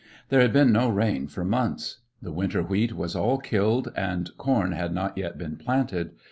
There had been no rain for months. The winter wheat was all killed and corn had not yet been planted.